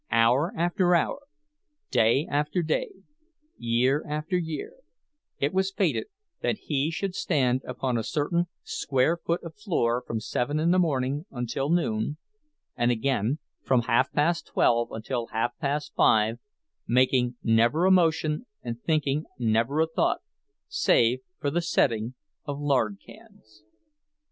Hour after hour, day after day, year after year, it was fated that he should stand upon a certain square foot of floor from seven in the morning until noon, and again from half past twelve till half past five, making never a motion and thinking never a thought, save for the setting of lard cans.